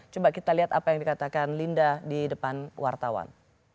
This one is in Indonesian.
coba kita lihat apa yang dikatakan linda di depan wartawan